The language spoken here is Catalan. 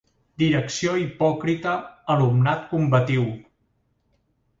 Direcció hipòcrita, alumnat combatiu.